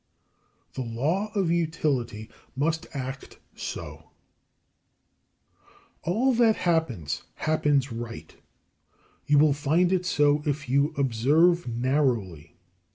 9. The law of utility must act so. 10. All that happens, happens right: you will find it so if you observe narrowly.